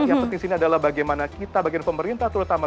yang penting sini adalah bagaimana kita bagian pemerintah terutama